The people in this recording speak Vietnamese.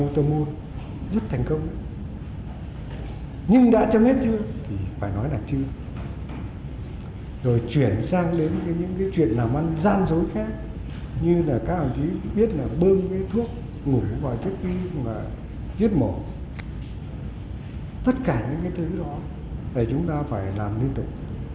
tất cả những cái thứ đó thì chúng ta phải làm liên tục